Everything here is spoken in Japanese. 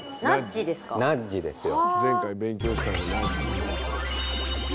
ナッジですよ。